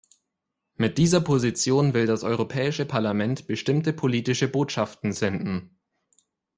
Mit dieser Position will das Europäische Parlament bestimmte politische Botschaften senden.